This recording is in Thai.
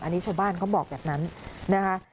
อันนี้ชาวบ้านเขาบอกแบบนั้นนะคะ